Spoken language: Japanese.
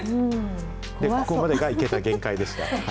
ここまでが限界でした。